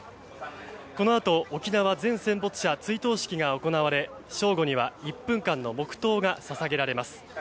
このあと沖縄全戦没者追悼式が行われ正午には１分間の黙祷が捧げられます。